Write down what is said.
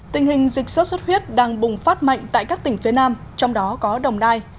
tình hình dịch sốt xuất huyết đang bùng phát mạnh tại các tỉnh phía nam trong đó có đồng nai